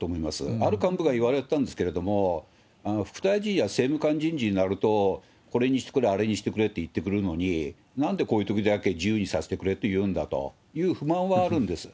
ある幹部が言われたんですけれども、副大臣や政務官人事になると、これにしてくれ、あれにしてくれって言ってくるのに、なんでこういうときだけ自由にさせてくれというんだという不満はあるんです。